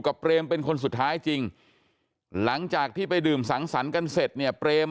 เปรมเป็นคนสุดท้ายจริงหลังจากที่ไปดื่มสังสรรค์กันเสร็จเนี่ยเปรม